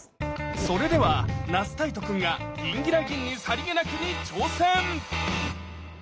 それでは那須泰斗くんが「ギンギラギンにさりげなく」に挑戦！